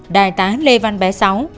đại tá lê văn bé sáu